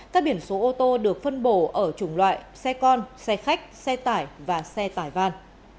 các biển số ô tô được phân bổ ở chủng loại xe con xe khách xe tải và xe tải van